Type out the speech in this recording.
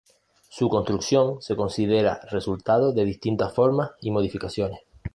Su construcción se considera resultado de distintas reformas y modificaciones.